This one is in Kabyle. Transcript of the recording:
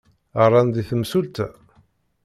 Ɣran-d i temsulta?